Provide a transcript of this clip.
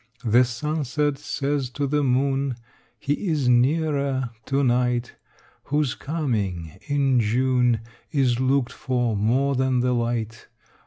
The sunset says to the moon, He is nearer to night Whose coming in June Is looked for more than the light.